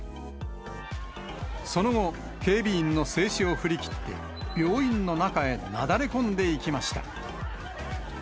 その後、警備員の制止を振り切って、病院の中へなだれ込んでいきました。